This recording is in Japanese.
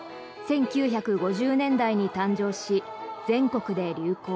１９５０年代に誕生し全国で流行。